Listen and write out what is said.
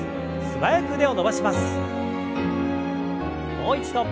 もう一度。